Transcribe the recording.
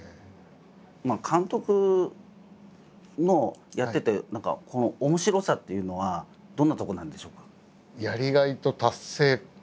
監督のやってて面白さっていうのはどんなとこなんでしょうか？